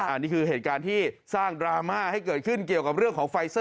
อันนี้คือเหตุการณ์ที่สร้างดราม่าให้เกิดขึ้นเกี่ยวกับเรื่องของไฟเซอร์